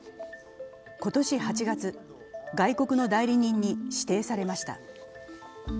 今年８月、外国の代理人に指定されました。